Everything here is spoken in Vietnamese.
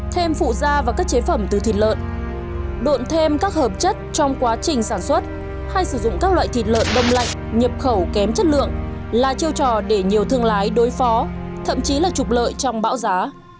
thêm phụ da và các chế phẩm từ thịt lợn đụn thêm các hợp chất trong quá trình sản xuất hay sử dụng các loại thịt lợn đông lạnh nhập khẩu kém chất lượng là chiêu trò để nhiều thương lái đối phó thậm chí là trục lợi trong bão giá